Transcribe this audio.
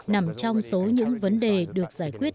nằm trong số những vấn đề được giải quyết